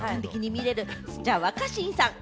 じゃあ、若新さん。